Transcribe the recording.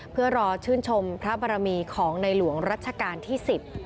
เพื่อรอชื่นชมพระบรมีของในหลวงรัชกาลที่๑๐